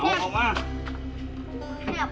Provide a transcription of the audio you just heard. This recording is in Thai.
ออกมา